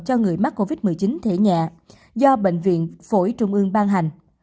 cho người mắc covid một mươi chín thể nhẹ do bệnh viện phổi trung ương ban hành